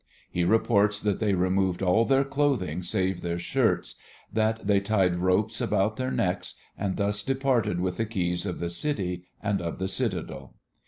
He reports that they removed all their clothing save their shirts, that they tied ropes about their necks and thus departed with the keys of the city and of the citadel.